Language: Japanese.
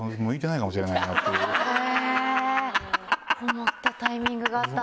思ったタイミングがあったんですね。